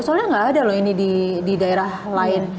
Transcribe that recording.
soalnya nggak ada loh ini di daerah lain